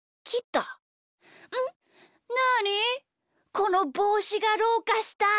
このぼうしがどうかした？